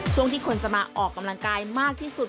ช่วงที่คนจะมาออกกำลังกายมากที่สุด